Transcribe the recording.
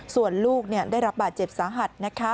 ส่วนลูกได้รับบาดเจ็บสาหัสนะคะ